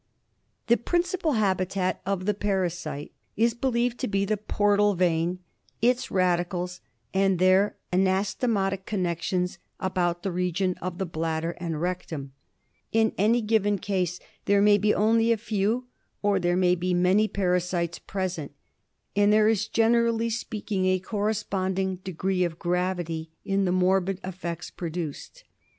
52 BILHARZIOSIS. The principal habitat of the parasite is beUeved to be the portal vein, its radicles and their anasto motic connections about the region of the bladder and rectum. In any given case there may be only a few, or there may be many para sites present, and there is, gene rally speaking, a corresponding degree of gravity in the morbid effects produced.